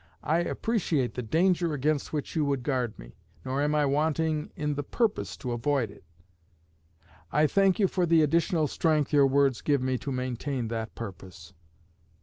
I appreciate the danger against which you would guard me; nor am I wanting in the purpose to avoid it. I thank you for the additional strength your words give me to maintain that purpose.